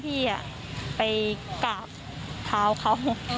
ไม่โอเคค่ะ